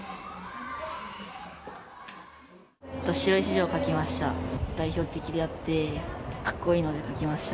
白石城を描きました。